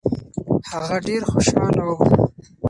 هغه ډېر خوشاله و.